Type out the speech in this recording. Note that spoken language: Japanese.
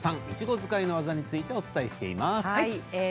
いちご使いの技についてお伝えしています。